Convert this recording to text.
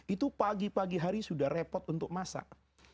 itu pagi pagi hari sudah repot untuk masak